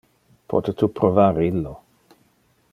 Pote tu provar illo?